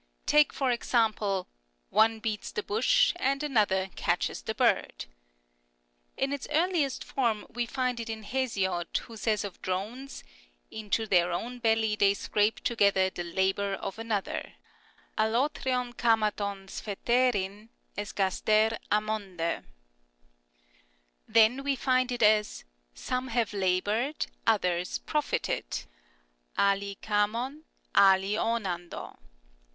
Take for example, " One beats the bush, and another catches the bird." In its earliest form we find it in Hesiod, who says of drones, " Into their own belly they scrape together the labour of another " (ciXXoTpiov Kafiarov trtperepTnv f ? yaarkp a/xoivTai), Then we find it as " Some have laboured, dthers profited " (aWoi KUfiov, aWoi wvavro).